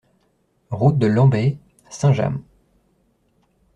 Route de Lembeye, Saint-Jammes